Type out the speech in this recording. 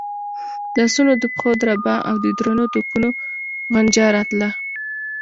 د آسونو د پښو دربا او د درنو توپونو غنجا راتله.